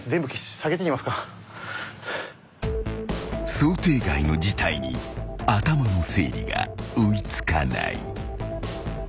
［想定外の事態に頭の整理が追い付かない］